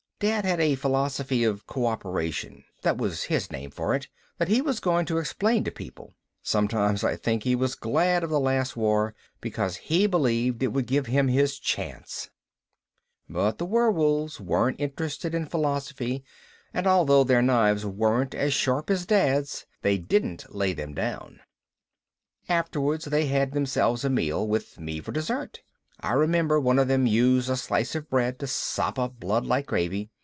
Dad had a philosophy of cooperation, that was his name for it, that he was going to explain to people. Sometimes I think he was glad of the Last War, because he believed it would give him his chance. "But the werewolves weren't interested in philosophy and although their knives weren't as sharp as Dad's they didn't lay them down. Afterwards they had themselves a meal, with me for dessert. I remember one of them used a slice of bread to sop up blood like gravy.